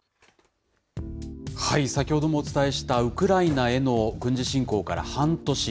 先ほどもお伝えしたウクライナへの軍事侵攻から半年。